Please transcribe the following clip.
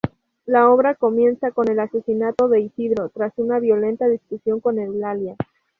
La obra comienza con el asesinato de Isidoro, tras una violenta discusión con Eulalia.